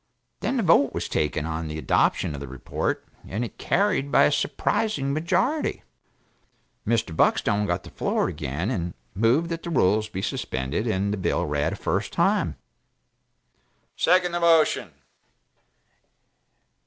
Then the vote was taken on the adoption of the report and it carried by a surprising majority. Mr. Buckstone got the floor again and moved that the rules be suspended and the bill read a first time. Mr. Trollop "Second the motion!"